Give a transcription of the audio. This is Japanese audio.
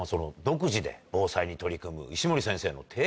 独自で防災に取り組む石森先生の提言